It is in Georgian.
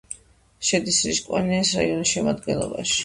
შედის რიშკანის რაიონის შემადგენლობაში.